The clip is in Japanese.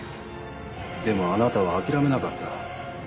でもあなたは諦めなかった。